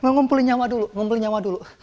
ngumpulin nyawa dulu ngumpulin nyawa dulu